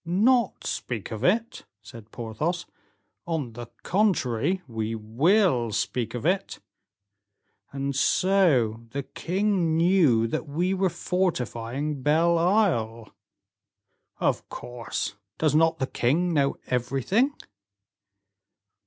"Not speak of it!" said Porthos; "on the contrary, we will speak of it; and so the king knew that we were fortifying Belle Isle?" "Of course; does not the king know everything?"